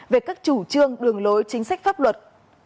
về các chủ trương đường lối chính sách pháp luật